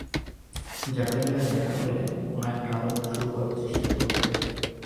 জাকারিয়ার দেখা পেলে কোনো একটা আলাপ শুরুর চেষ্টা করবে।